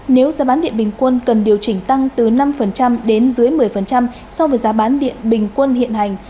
nếu giá bán điện bình quân cần điều chỉnh tăng từ năm đến dưới một mươi so với giá bán điện bình quân hiện hành